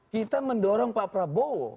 kita mendorong pak prabowo